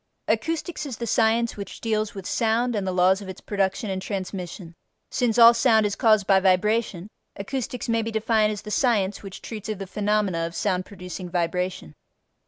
Acoustics is the science which deals with sound and the laws of its production and transmission. Since all sound is caused by vibration, acoustics may be defined as the science which treats of the phenomena of sound producing vibration.